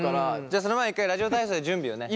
じゃあその前に一回ラジオ体操で準備をね。